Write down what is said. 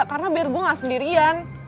karena biar gue gak sendirian